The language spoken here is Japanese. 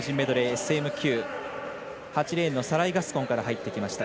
ＳＭ９８レーンのサライ・ガスコンから入ってきました。